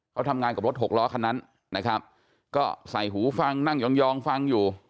เขาทำงานกับรถหกล้อคันนั้นนะครับก็ใส่หูฟังนั่งยองฟังอยู่